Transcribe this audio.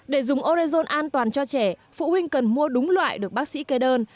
để dùng orezon an toàn cho trẻ phụ huynh cần mua đúng loại được bác sĩ kê đơn